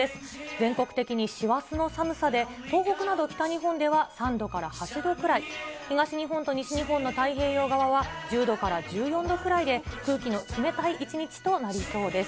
全国的に師走の寒さで、東北など北日本では３度から８度くらい、東日本と西日本の太平洋側は１０度から１４度くらいで、空気の冷たい一日となりそうです。